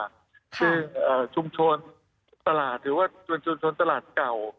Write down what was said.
คือชุมชนตลาดหรือว่าเป็นชุมชนตลาดเก่า